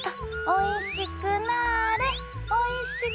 おいしくなれ！